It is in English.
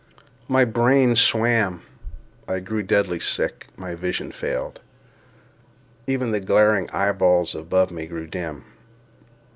My brain swam—I grew deadly sick—my vision failed—even the glaring eyeballs above me grew dim.